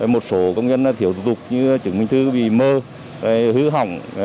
một số công dân thiểu thủ tục như chứng minh thư bị mơ hứa hỏng